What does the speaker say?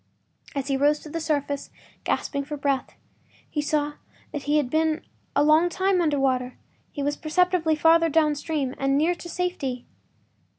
As he rose to the surface, gasping for breath, he saw that he had been a long time under water; he was perceptibly farther downstream—nearer to safety.